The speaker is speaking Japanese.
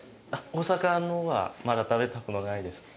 大阪のはまだ食べた事ないです。